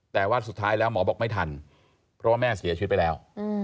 แต่ว่าสุดท้ายแล้วหมอบอกไม่ทันเพราะว่าแม่เสียชีวิตไปแล้ว